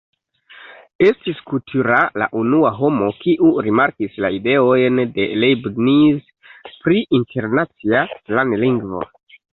Estis Couturat la unua homo, kiu rimarkis la ideojn de Leibniz pri internacia planlingvo.